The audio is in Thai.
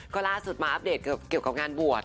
ก็ล่าสุดมาอัปเดตเกี่ยวกับงานบวช